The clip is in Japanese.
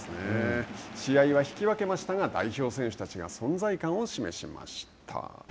試合は引き分けましたが、代表選手たちが存在感を示しました。